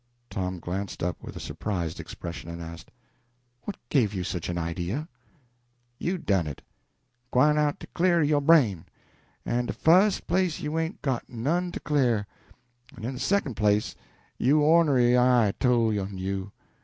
Tom glanced up with a surprised expression, and asked "What gave you such an idea?" "You done it. Gwine out to cle'r yo' brain! In de fust place you ain't got none to cle'r, en in de second place yo' ornery eye tole on you.